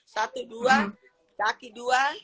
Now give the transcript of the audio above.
satu dua daki dua